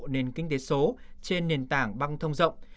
nền kinh tế số trên nền tảng băng thông rộng